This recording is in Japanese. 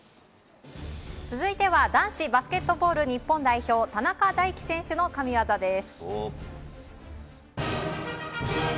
続いては男子バスケットボール日本代表田中大貴選手の神技です。